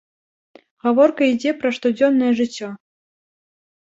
Гаворка ідзе пра штодзённае жыццё.